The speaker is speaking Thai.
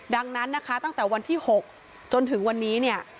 ดังนั้นตั้งแต่วันที่๖จนถึงวันนี้